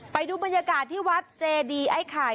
ไปดูบรรยากาศที่วัดเจดีไอ้ไข่